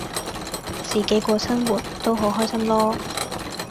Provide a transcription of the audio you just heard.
自己過生活都好開心囉